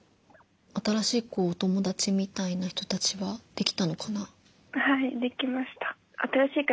新しい子お友だちみたいな人たちはできたのかな？